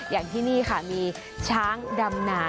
อย่างที่นี่ค่ะมีช้างดำนา